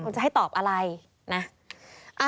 จะให้ตอบอะไรนะ